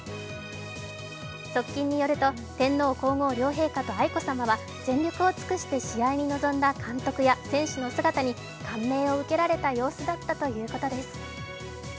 側近によると、天皇皇后両陛下と愛子さまは全力を尽くして試合に臨んだ監督や選手の姿に感銘を受けられた様子だったということです。